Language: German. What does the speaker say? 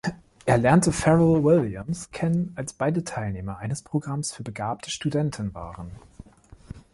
Er lernte Pharrell Williams kennen als beide Teilnehmer eines Programms für begabte Studenten waren.